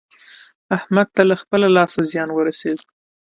احمد ته له خپله لاسه زيان ورسېد.